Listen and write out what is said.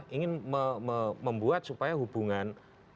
ingin membuat supaya hubungan